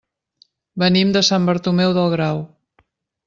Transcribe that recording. Venim de Sant Bartomeu del Grau.